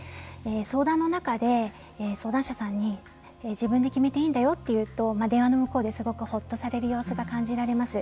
相談の中で相談者さんに自分で決めていいんだよというと電話の向こうですごくほっとされる様子が感じられます。